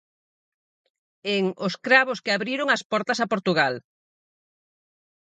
En 'Os cravos que abriron as portas a Portugal'.